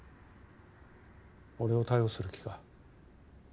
俺を逮捕する気か？